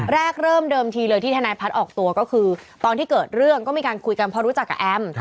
แรกเริ่มเดิมทีเลยที่ทนายพัฒน์ออกตัวก็คือตอนที่เกิดเรื่องก็มีการคุยกันเพราะรู้จักกับแอม